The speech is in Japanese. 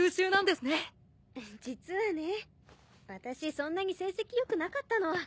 そんなに成績良くなかったの。